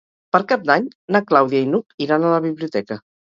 Per Cap d'Any na Clàudia i n'Hug iran a la biblioteca.